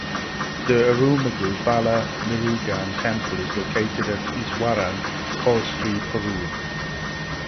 The Arulmigu Bala Murugan Temple is located at Easwaran Koil Stree, Porur.